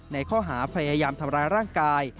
ในข้อหาพยายามทำร้ายร่างกาย